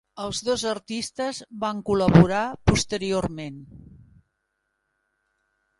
Els dos artistes van col·laborar posteriorment.